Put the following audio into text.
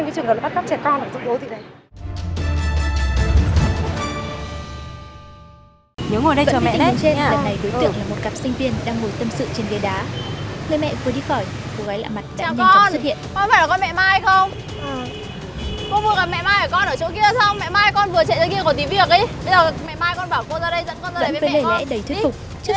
nhớ ngồi đây không được đi đâu ngươi chứ